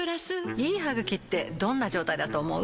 いい歯ぐきってどんな状態だと思う？